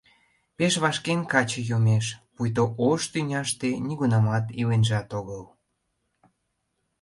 Пеш вашкен каче йомеш, пуйто ош тӱняште нигунамат иленжат огыл.